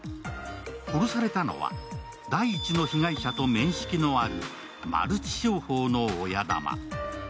殺されたのは、第１の被害者と面識のあるマルチ商法の親玉。